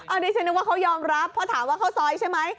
อันนี้ฉันนึกว่าเขายอมรับเพราะถามว่าข้าวซอยใช่ไหม